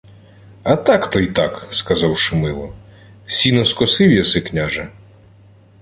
— А так — то й так, — сказав Шумило. — Сіно скосив єси, княже?